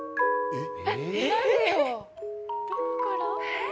えっ？